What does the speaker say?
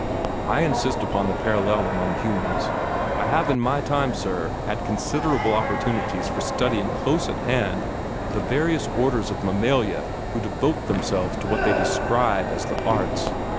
I insist upon the parallel among humans. I have in my time, sir, had considerable opportunities for studying close at hand the various orders of mammalia who devote themselves to what they describe as the arts.